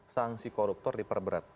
sanksi koruptor diperberat